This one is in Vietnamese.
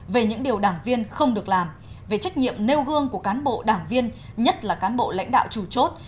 về những điều đảng viên không được làm về trách nhiệm nêu gương của cán bộ đảng viên nhất là cán bộ lãnh đạo chủ chốt